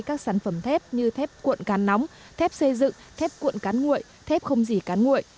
các sản phẩm thép như thép cuộn cán nóng thép xây dựng thép cuộn cán nguội thép không dì cán nguội